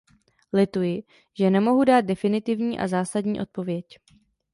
Lituji, že nemohu dát definitivní a zásadní odpověď.